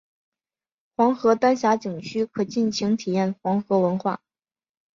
黄河丹霞景区可尽情体验黄河文化。